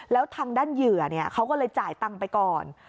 แล้วทางด้านเหยื่อเขาก็เลยจ่ายตังค์ไปก่อน